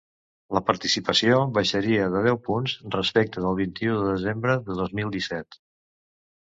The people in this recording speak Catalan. La participació baixaria de deu punts respecte del vint-i-u de desembre de dos mil disset.